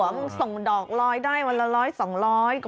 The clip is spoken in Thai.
มึงส่งดอกรอยได้วันละร้อยสองร้อย